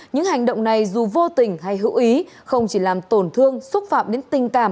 những hành động này dù vô tình hay hữu ý không chỉ làm tổn thương xúc phạm đến tình cảm